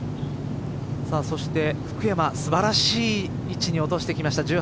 そして福山、素晴らしい位置に落としてきました